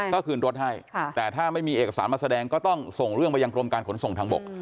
ก็คืนรถให้แต่ถ้าไม่มีเอกสารมาแสดงก็ต้องส่งเรื่องไปยังกรมการขนส่งทางบก